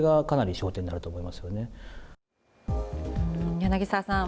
柳澤さん